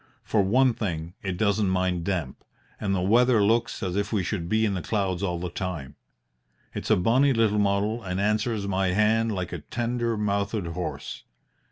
For one thing, it doesn't mind damp, and the weather looks as if we should be in the clouds all the time. It's a bonny little model and answers my hand like a tender mouthed horse.